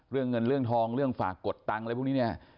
เรื่องเงินเรื่องทองเรื่องฝากกดตังค์อะไรพวกนี้เนี่ย